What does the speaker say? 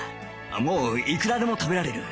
もういくらでも食べられる